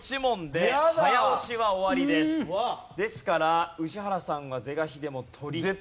ですから宇治原さんは是が非でも取りたい。